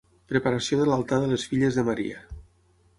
Preparació de l'altar de les filles de Maria.